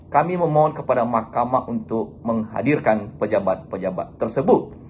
kami memohon kepada mahkamah untuk menghadirkan pejabat pejabat tersebut